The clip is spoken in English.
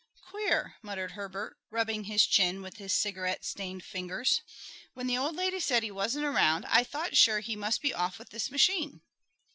"Queer," muttered Herbert, rubbing his chin with his cigarette stained fingers. "When the old lady said he wasn't around I thought sure he must be off with this machine."